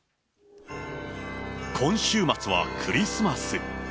今週末はクリスマス。